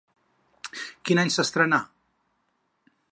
Quin any s'estrenà?